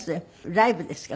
ライブですか？